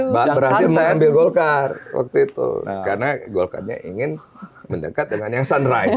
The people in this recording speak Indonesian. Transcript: berhasil mengambil golkar waktu itu karena golkarnya ingin mendekat dengan yang sunrise